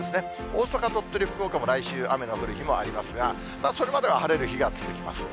大阪、鳥取、福岡も来週、雨の降る日もありますが、それまでは晴れる日が続きます。